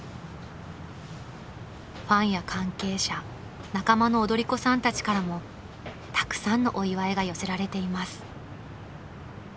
［ファンや関係者仲間の踊り子さんたちからもたくさんのお祝いが寄せられています］